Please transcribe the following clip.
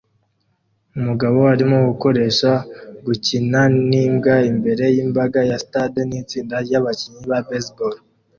Umugore arimo gukoresha s gukina nimbwa imbere yimbaga ya stade nitsinda ryabakinnyi ba baseball